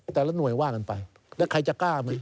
แต่ละหน่วยว่ากันไปแล้วใครจะกล้าไหม